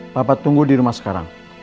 bapak tunggu di rumah sekarang